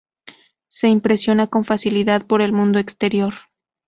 Se impresionan con facilidad por el mundo exterior.